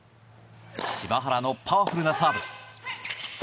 柴原のパワフルなサーブ。